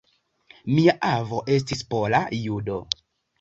Mia avo estis pola judo.